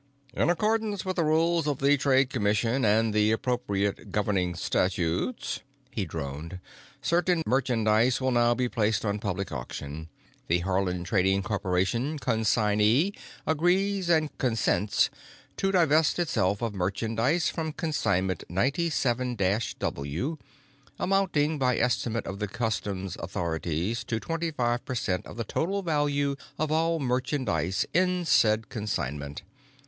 "In accordance with the rules of the Trade Commission and the appropriate governing statutes," he droned, "certain merchandise will now be placed on public auction. The Haarland Trading Corporation, consignee, agrees and consents to divest itself of merchandise from Consignment 97 W amounting by estimate of the customs authorities to twenty five per cent of the total value of all merchandise in said consignment.